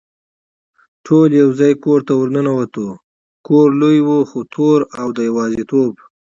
ټول یو ځای کور ته ور ننوتو، کور لوی خو تور او د یوازېتوب.